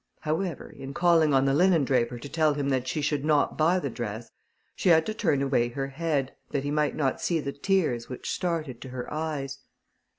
However, in calling on the linendraper to tell him that she should not buy the dress, she had to turn away her head, that he might not see the tears which started to her eyes.